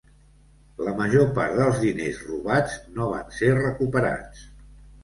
La major part dels diners robats no van ser recuperats.